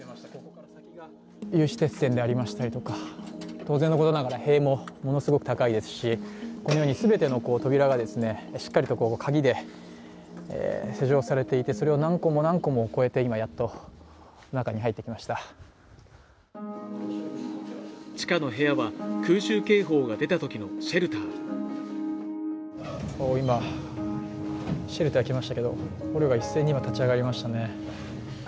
有刺鉄線でありましたり当然のことながら塀もものすごく高いですしこのように全ての扉がですねしっかりと鍵で施錠されていてそれを何個も何個も超えて今やっと中に入ってきました地下の部屋は空襲警報が出た時のシェルターシェルターきましたけど一斉に捕虜が立ち上がりましたね